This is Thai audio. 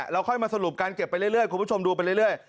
เราค่อยมาสรุปการเก็บไปเรื่อยคุณผู้ชมดูไปเรื่อย